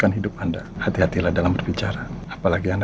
dan itu adalah kelalaian yang sangat matang